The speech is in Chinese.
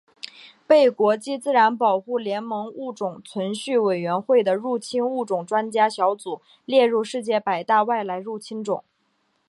被国际自然保护联盟物种存续委员会的入侵物种专家小组列入世界百大外来入侵种。